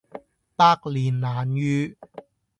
百年難遇